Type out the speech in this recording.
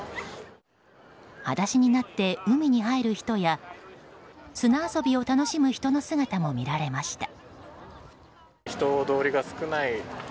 裸足になって海に入る人や砂遊びを楽しむ人の姿も見られました。